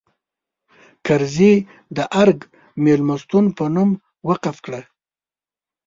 کرزي د ارګ مېلمستون په نوم وقف کړه.